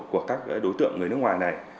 của các đối tượng người nước ngoài này